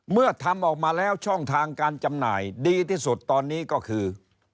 เมื่อทำออกมาแล้วช่องทางการจำหน่ายดีที่สุดตอนนี้ก็คือ